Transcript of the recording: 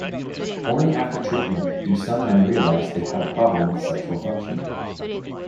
Only after treatment do some men realize they had a problem with sexual function.